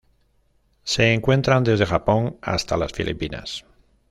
Se encuentran desde Japón hasta las Filipinas.